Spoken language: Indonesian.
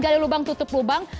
gak ada lubang tutup lubang